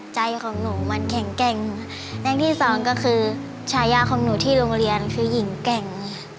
ใจของหนูมันแข็งแกร่งดังที่สองก็คือชายาของหนูที่โรงเรียนคือหญิงแก่ง